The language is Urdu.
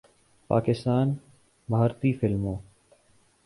پاکستان، بھارتی فلموں